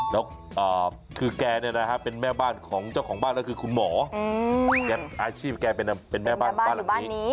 แล้วคือแกเนี่ยนะครับเป็นแม่บ้านของเจ้าของบ้านแล้วคือคุณหมออาชีพแกเป็นแม่บ้านบ้านหรือบ้านนี้